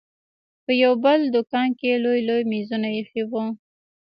په يو بل دوکان کښې لوى لوى مېزونه ايښي وو.